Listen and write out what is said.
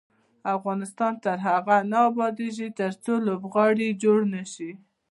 افغانستان تر هغو نه ابادیږي، ترڅو لوبغالي جوړ نشي.